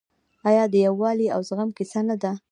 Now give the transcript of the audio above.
آیا د یووالي او زغم کیسه نه ده؟